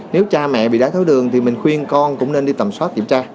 nếu cha mẹ bị đái tháo đường thì mình khuyên con cũng nên đi tầm soát kiểm tra